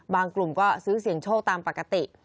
กลุ่มก็ซื้อเสียงโชคตามปกติ